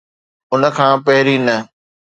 ان کان پھرين نه